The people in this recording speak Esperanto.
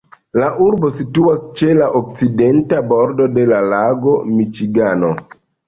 La urbo situas ĉe la okcidenta bordo de la lago Miĉigano.